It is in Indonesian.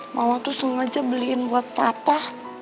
mama tuh sengaja beliin buat papa